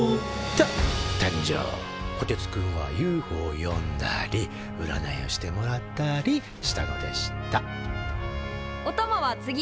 こてつくんはＵＦＯを呼んだりうらないをしてもらったりしたのでしたおたまは次の授業何？